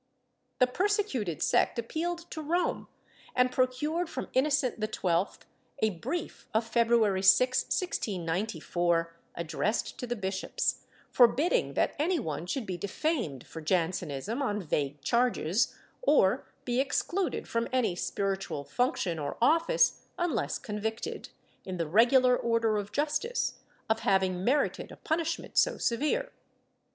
The persecuted sect appealed to Rome and procured from Innocent XII a brief of February 6, 1694, addressed to the bishops, forbidding that any one should be defamed for Jansenism on vague charges, or be excluded from any spiritual function or office unless convicted, in the regular order of justice, of having merited a punishment so severe.